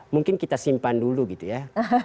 mungkin kita simpan dulu gitu ya